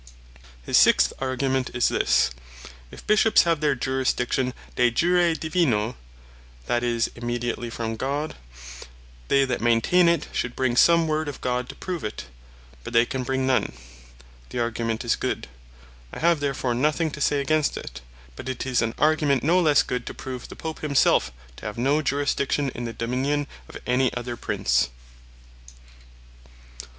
His sixth argument is this, If Bishops have their Jurisdiction De Jure Divino (that is, immediately from God,) they that maintaine it, should bring some Word of God to prove it: But they can bring none. The argument is good; I have therefore nothing to say against it. But it is an argument no lesse good, to prove the Pope himself to have no Jurisdiction in the Dominion of any other Prince.